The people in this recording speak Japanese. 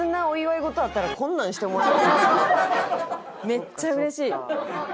めっちゃうれしい！